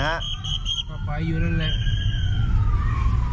ก็ไปอยู่นั่นแหละ